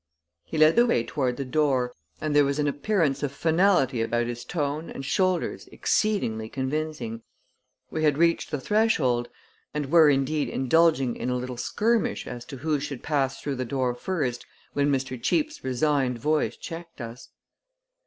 He led the way toward the door and there was an appearance of finality about his tone and shoulders exceedingly convincing. We had reached the threshold and were, indeed, indulging in a little skirmish as to who should pass through the door first, when Mr. Cheape's resigned voice checked us.